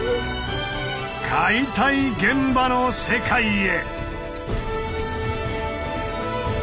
解体現場の世界へ！